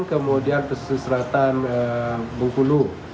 kemudian pesisir selatan bengkulu